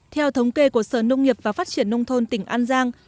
theo thống kê của sở nông nghiệp và phát triển nông thôn tỉnh an giang